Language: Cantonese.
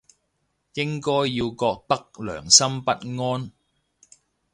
應該要覺得良心不安